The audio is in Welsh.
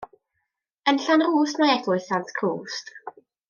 Yn Llanrwst mae Eglwys Sant Crwst.